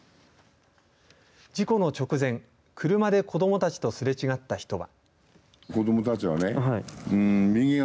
事故の直前車で子どもたちとすれ違った人は。